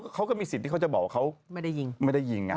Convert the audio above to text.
เขาก็มีสิทธิ์ที่เขาจะบอกว่าเขาไม่ได้ยิง